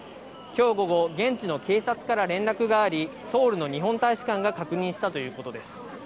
きょう午後、現地の警察から連絡があり、ソウルの日本大使館が確認したということです。